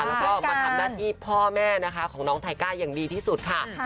แล้วก็มาทำหน้าที่พ่อแม่นะคะของน้องไทก้าอย่างดีที่สุดค่ะ